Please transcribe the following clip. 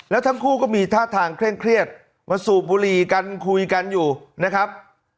แล้วทั้งคู่ก็มีท่าทางเคร่งเครียดมาสูบบุหรี่กันคุยกันอยู่นะครับ